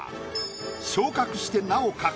昇格してなお描く。